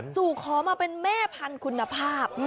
สู่ขอมาเป็นแม่พันธุ์คุณภาพ